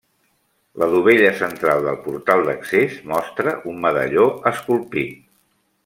La dovella central del portal d'accés mostra un medalló esculpit.